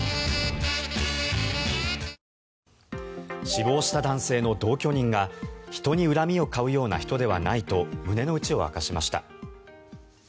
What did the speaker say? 死亡した男性の同居人が人に恨みを買うような人ではないと胸の内を明かしました。